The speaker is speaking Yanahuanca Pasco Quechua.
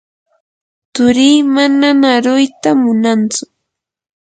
turii manan aruyta munantsu.